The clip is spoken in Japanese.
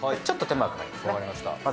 ちょっと手間がかかりますね。